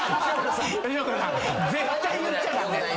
絶対言っちゃ駄目！